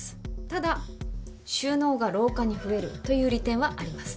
ただ収納が廊下に増えるという利点はあります。